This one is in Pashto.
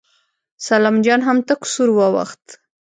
سلام جان هم تک سور واوښت.